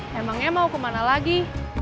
saya mau kemana lagi